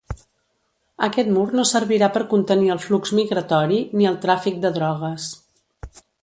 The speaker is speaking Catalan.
Aquest mur no servirà per contenir el flux migratori ni el tràfic de drogues.